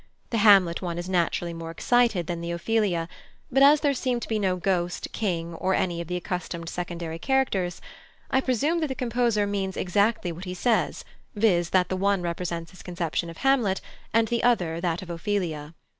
The Hamlet one is naturally more excited than the Ophelia; but as there seem to be no Ghost, King, or any of the accustomed secondary characters, I presume that the composer means exactly what he says, viz. that the one represents his conception of Hamlet, and the other that of Ophelia.